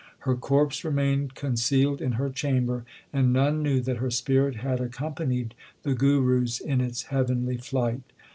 Her corpse remained concealed in her chamber and none knew that her spirit had accompanied the Guru s in its heavenly flight.